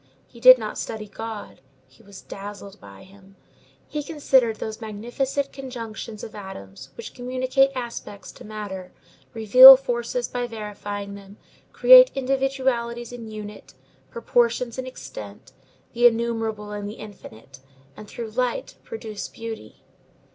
He did not study God; he was dazzled by him. He considered those magnificent conjunctions of atoms, which communicate aspects to matter, reveal forces by verifying them, create individualities in unity, proportions in extent, the innumerable in the infinite, and, through light, produce beauty.